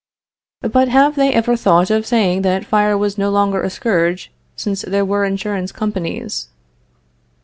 But have they ever thought of saying that fire was no longer a scourge, since there were insurance companies?